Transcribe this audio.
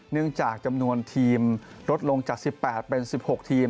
จากจำนวนทีมลดลงจาก๑๘เป็น๑๖ทีม